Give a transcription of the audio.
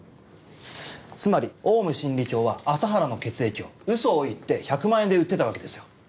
つまりオウム真理教は麻原の血液をウソを言って１００万円で売ってたわけですよ。